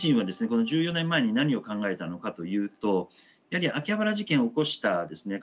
この１４年前に何を考えたのかというとやはり秋葉原事件を起こしたですね